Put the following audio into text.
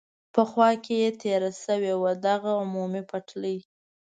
په خوا کې تېره شوې وه، دغه عمومي پټلۍ.